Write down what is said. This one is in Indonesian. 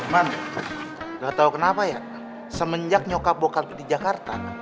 man gak tau kenapa ya semenjak nyokap bocah di jakarta